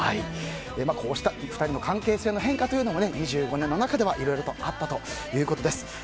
こうした２人の関係性の変化というのも２５年の中でいろいろあったということです。